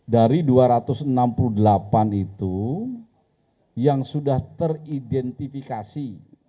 dari dua ratus enam puluh delapan itu yang sudah teridentifikasi